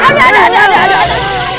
aduh aduh aduh